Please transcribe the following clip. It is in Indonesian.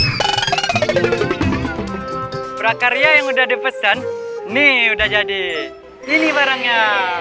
hai prakarya yang udah dipesan nih udah jadi ini barangnya